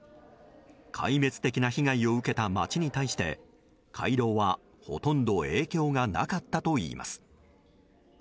壊滅的な被害を受けた街に対して回廊はほとんど影響がなかったといいます。